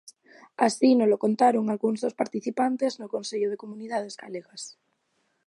Así nolo contaron algúns dos participantes no Consello de Comunidades Galegas.